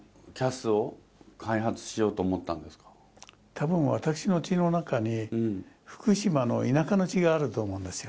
多分私の血の中に福島の田舎の血があると思うんですよ。